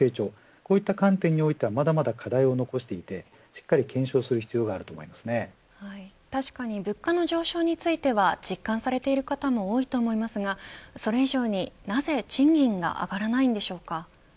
こういった観点においてはまだまだ課題を残していてしっかり検証する必要が確かに物価の上昇については実感されている方も多いと思いますがそれ以上に、なぜ賃金が上がらないんでしょうか。